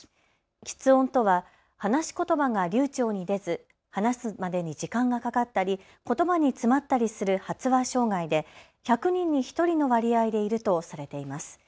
きつ音とは話しことばが流ちょうに出ず、話すまでに時間がかかったり、ことばに詰まったりする発話障害で１００人に１人の割合でいるとされています。